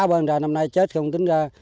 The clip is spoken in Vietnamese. bởi vì năm nay chết không tính ra